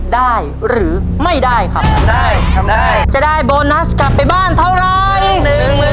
ได้หรือไม่ได้ครับทำได้ทำได้จะได้โบนัสกลับไปบ้านเท่าไร